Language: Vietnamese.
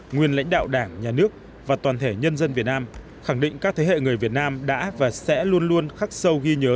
nguyên lãnh đạo đảng nhà nước và toàn thể nhân dân việt nam khẳng định các thế hệ người việt nam đã và sẽ luôn luôn khắc sâu ghi nhớ